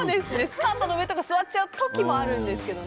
スカートの上とか座っちゃう時もあるんですけど。